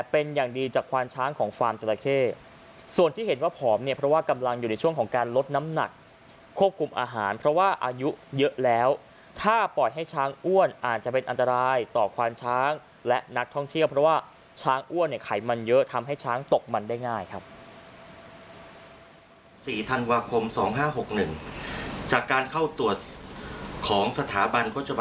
เป็นอย่างดีจากควานช้างของฟาร์มจราเข้ส่วนที่เห็นว่าผอมเนี่ยเพราะว่ากำลังอยู่ในช่วงของการลดน้ำหนักควบคุมอาหารเพราะว่าอายุเยอะแล้วถ้าปล่อยให้ช้างอ้วนอาจจะเป็นอันตรายต่อควานช้างและนักท่องเที่ยวเพราะว่าช้างอ้วนเนี่ยไขมันเยอะทำให้ช้างตกมันได้ง่ายครับ